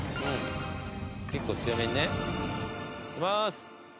結構強めにね。いきます。